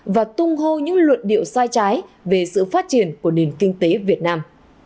và tung hô những luận điệu sai trái về sự phát triển của nền kinh tế việt nam